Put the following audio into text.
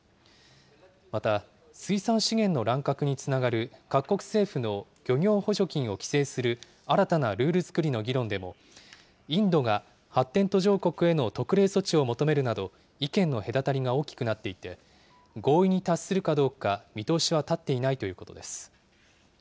また、水産資源の乱獲につながる各国政府の漁業補助金を規制する新たなルール作りの議論でも、インドが、発展途上国への特例措置を求めるなど、意見の隔たりが大きくなっていて、合意に達するかどうか、見通しは立っていないということです。